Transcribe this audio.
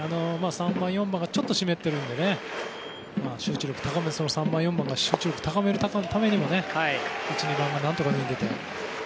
３番、４番がちょっと湿っているので３番、４番が集中力を高めるためにも１、２番が何とか塁に出て。